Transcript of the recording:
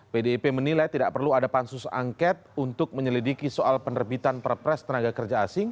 pdip menilai tidak perlu ada pansus angket untuk menyelidiki soal penerbitan perpres tka